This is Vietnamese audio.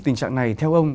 tình trạng này theo ông